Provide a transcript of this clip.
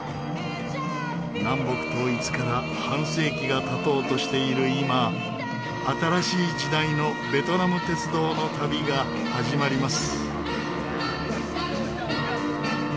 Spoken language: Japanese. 南北統一から半世紀が経とうとしている今新しい時代のベトナム鉄道の旅が始まります。